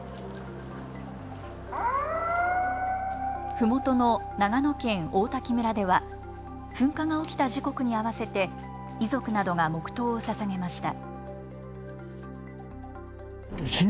ふもとの長野県王滝村では噴火が起きた時刻に合わせて遺族などが黙とうをささげました。